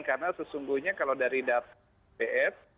karena sesungguhnya kalau dari data bs